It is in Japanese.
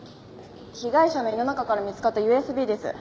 被害者の胃の中から見つかったＵＳＢです。